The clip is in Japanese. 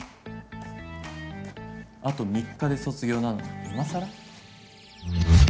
あと３日で卒業なのに今更？